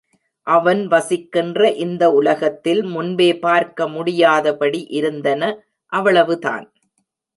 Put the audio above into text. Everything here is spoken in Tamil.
அவன் வசிக்கின்ற இந்த உலகத்தில் முன்பே பார்க்க முடியாதபடி இருந்தன அவ்வளவுதான்.